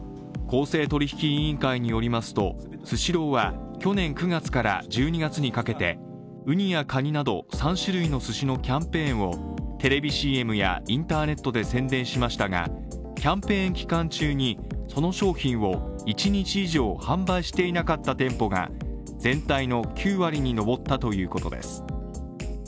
公正取引委員会によりますとスシローは去年９月から１２月にかけてウニやカニなど３種類のすしのキャンペーンをテレビＣＭやキャンペーン期間中にその商品を１日以上販売していなかった店舗が全体の９割に上ったということです